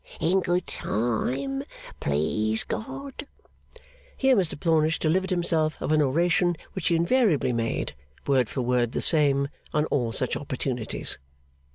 In good time, please God.' Here Mr Plornish delivered himself of an oration which he invariably made, word for word the same, on all such opportunities.